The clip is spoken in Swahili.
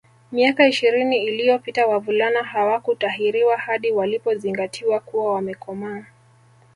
Miaka ishirini iliyopita wavulana hawakutahiriwa hadi walipozingatiwa kuwa wamekomaa